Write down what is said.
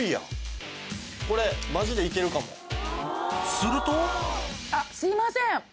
するとあっすいません。